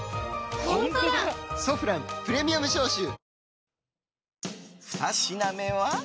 「ソフランプレミアム消臭」２品目は。